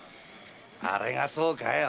あれがそうかい？